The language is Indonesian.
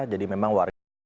jadi memang warga jakarta